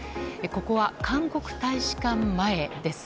ここは韓国大使館前です。